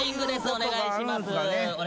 お願いします。